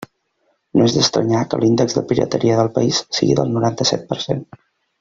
No és d'estranyar que l'índex de pirateria del país sigui del noranta-set per cent.